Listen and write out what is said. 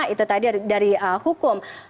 itu tadi dari hukum